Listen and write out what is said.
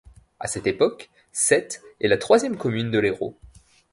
À cette époque, Sète est la troisième commune de l'Hérault.